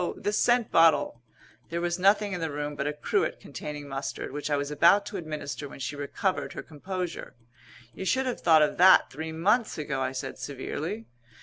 The scent bottle!" There was nothing in the room but a cruet containing mustard, which I was about to administer when she recovered her composure. "You should have thought of that three months ago," I said severely.